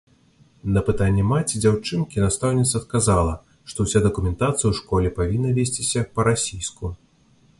На пытанне маці дзяўчынкі настаўніца адказала, што ўся дакументацыя ў школе павінна весціся па-расійску.